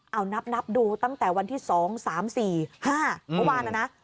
เอานับดูตั้งแต่วันที่๒๓๔๕เมื่อวานนะนะ